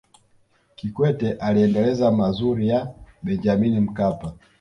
kikwete aliendeleza mazuri ya benjamini mkapa